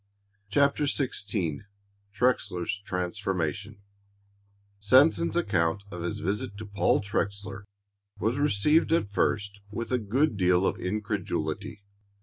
CHAPTER XVI TREXLER'S TRANSFORMATION Sanson's account of his visit to Paul Trexler was received at first with a good deal of incredulity.